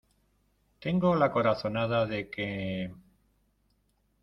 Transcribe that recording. tengo la corazonada de que...